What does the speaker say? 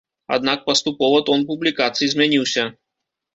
Аднак паступова тон публікацый змяніўся.